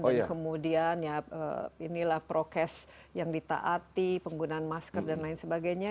dan kemudian inilah prokes yang ditaati penggunaan masker dan lain sebagainya